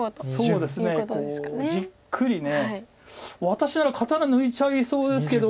私なら刀抜いちゃいそうですけど。